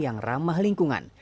yang ramah lingkungan